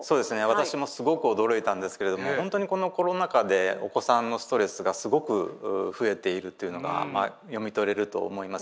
私もすごく驚いたんですけれども本当にこのコロナ禍でお子さんのストレスがすごく増えているというのが読み取れると思います。